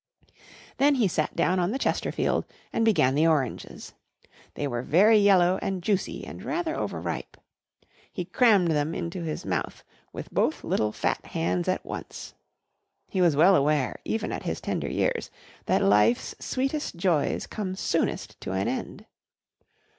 Then he sat down on the Chesterfield and began the oranges. They were very yellow and juicy and rather overripe. He crammed them into his mouth with both little fat hands at once. He was well aware, even at his tender years, that life's sweetest joys come soonest to an end.